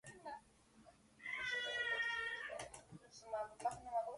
There are five to ten radical pinnately nerved leaves.